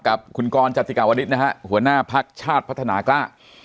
กับคุณกรจัตริกาวดิสหัวหน้าภาคชาติพัฒนากล้า